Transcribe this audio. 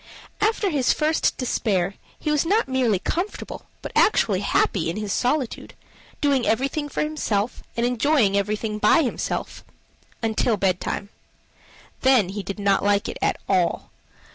After his first despair, he was not merely comfortable, but actually happy in his solitude, doing everything for himself, and enjoying everything by himself until bedtime. Then he did not like it at all.